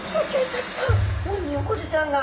たくさんオニオコゼちゃんが。